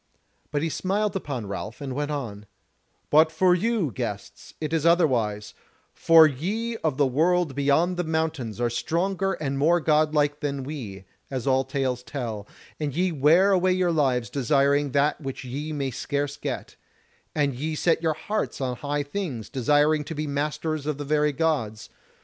But he smiled upon Ralph and went on: "But for you, guests, it is otherwise, for ye of the World beyond the Mountains are stronger and more godlike than we, as all tales tell; and ye wear away your lives desiring that which ye may scarce get; and ye set your hearts on high things, desiring to be masters of the very Gods.